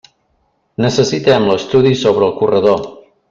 Necessitem l'estudi sobre el corredor.